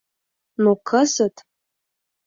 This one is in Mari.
Но кызыт...